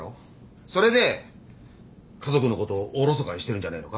それで家族のことをおろそかにしてるんじゃねえのか。